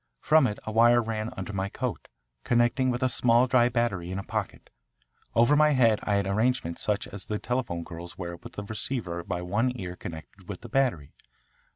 From it a wire ran under my coat, connecting with a small dry battery in a pocket. Over my head I had an arrangement such as the telephone girls wear with a receiver at one ear connected with the battery.